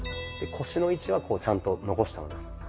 腰の位置はちゃんと残したままです。